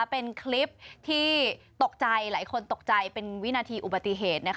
เป็นคลิปที่ตกใจหลายคนตกใจเป็นวินาทีอุบัติเหตุ